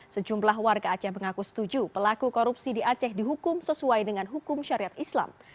sejumlah warga aceh mengaku setuju pelaku korupsi di aceh dihukum sesuai dengan hukum syariat islam